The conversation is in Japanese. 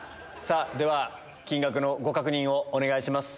では金額のご確認をお願いします。